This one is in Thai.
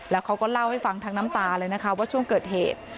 แล้วเขาก็เล่าให้ฟังทั้งน้ำตาเลยนะคะว่าช่วงเกิดเหตุ